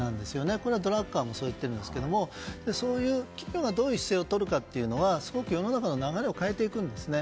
これはドラッカーもそう言っているんですけどそういう企業がどういう姿勢をとるかというのはすごく世の中の流れを変えていくんですよね。